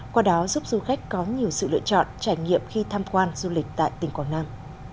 qua đó giúp du khách có nhiều sự lựa chọn trải nghiệm khi tham quan du lịch tại tỉnh quảng nam